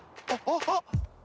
あっ。